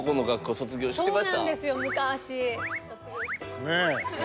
卒業してます。